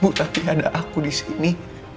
ibu tapi ada aku disini